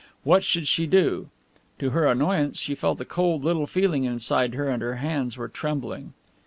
What should she do? To her annoyance she felt a cold little feeling inside her and her hands were trembling.